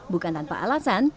bukan tanpa alasan